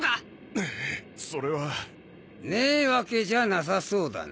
うっそれは。ねえわけじゃなさそうだな。